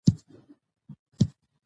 افغانستان په خپلو چرګانو باندې غني دی.